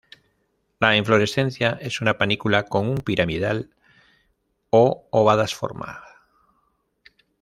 La inflorescencia es una panícula con un piramidal o ovadas forma.